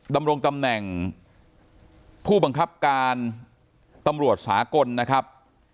ดำรงตำแหน่งผู้บังคับการตำรวจสากลนะครับ